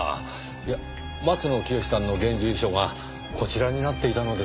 いや松野聖さんの現住所がこちらになっていたのですが。